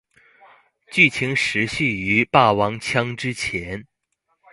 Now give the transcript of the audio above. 剧情时序于霸王枪之前。